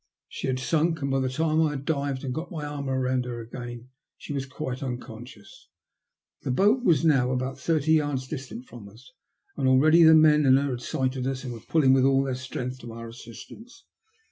She had sunk, and by the time I had dived and got my arm round her again she was quite unconscious. The 124 THE LUST OF HATE. boat was now about thirty yards distant from us, and already the men in her had sighted us and were pulling with all their strength to our assistance.